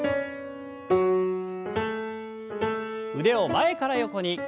腕を前から横に。